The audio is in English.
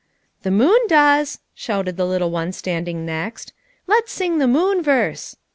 "The moon does," shouted the little one standing next. "Let's sing the moon verse."